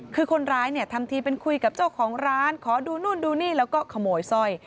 คือคนร้ายเนี่ยทำทีเป็นคุยกับเจ้าของร้านขอดูนู่นดูนี่แล้วก็ขโมยสร้อย